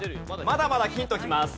まだまだヒントきます。